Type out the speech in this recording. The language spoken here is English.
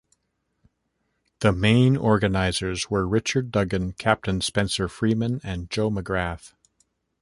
The main organisers were Richard Duggan, Captain Spencer Freeman and Joe McGrath.